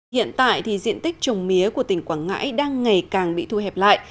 hiện tại thì diện tích trồng mía của tỉnh quảng ngãi đang ngày càng bị thu hẹp lại